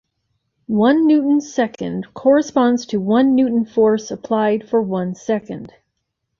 One newton second corresponds to a one-newton force applied for one second.